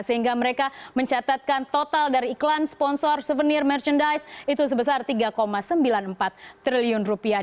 sehingga mereka mencatatkan total dari iklan sponsor souvenir merchandise itu sebesar tiga sembilan puluh empat triliun rupiah